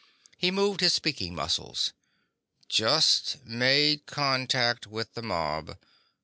He moved his speaking muscles: _"Just made contact with the mob.